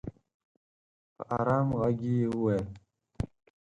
په ارام ږغ یې وویل